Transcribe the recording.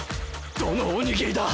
どのおにぎりだ？